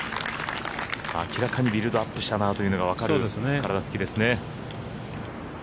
明らかにビルドアップしたなというのがわかる体つきですね。